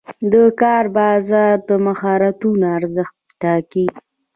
د کار بازار د مهارتونو ارزښت ټاکي.